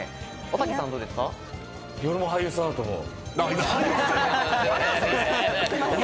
俺も俳優さんだと思う。